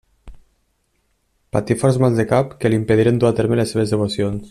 Patí forts mals de cap que li impediren dur a terme les seves devocions.